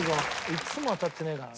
いつも当たってねえからな。